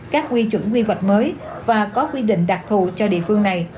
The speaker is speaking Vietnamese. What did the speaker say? các quy chuẩn quy hoạch mới và có quy định đặc thù cho địa phương này